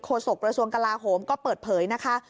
โศกระทรวงกลาโหมก็เปิดเผยนะคะ